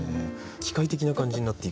機械的な感じになっていく。